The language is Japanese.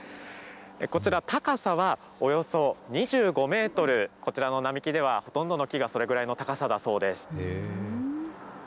こちら、高さはおよそ２５メートル、こちらの並木では、ほとんどの木がそれぐらいの高さだそうです。